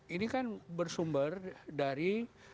ini kan bersumber dari